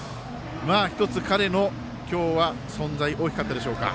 １つ、彼の今日は存在、大きかったでしょうか。